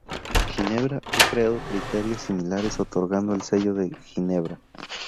Ginebra ha creado criterios similares otorgando el Sello de Ginebra.